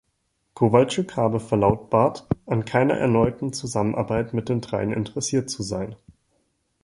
Kowalczyk habe verlautbart, an keiner erneuten Zusammenarbeit mit den dreien interessiert zu sein.